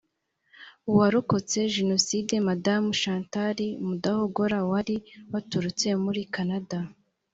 uwarokotse jenoside madamu chantal mudahogora wari waturutse muri canada